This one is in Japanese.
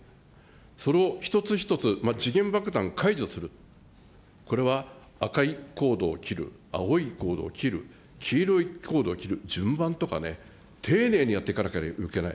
それを一つ一つ、時限爆弾解除する、これは赤いコードを切る、青いコードを切る、黄色いコードを切る、順番とかね、丁寧にやっていかなければいけない。